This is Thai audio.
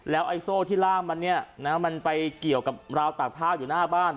ไอ้โซ่ที่ล่ามมันเนี่ยนะมันไปเกี่ยวกับราวตากผ้าอยู่หน้าบ้าน